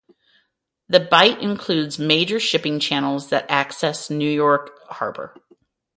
The bight includes major shipping channels that access New York Harbor.